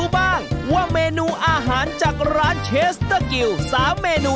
ไม่มีคนศุกร์ทั้งหลัง